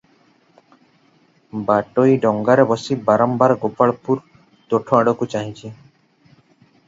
ବାଟୋଇ ଡଙ୍ଗାରେ ବସି ବାରମ୍ବାର ଗୋପାଳପୁର ତୋଠଆଡ଼କୁ ଚାହିଁଛି ।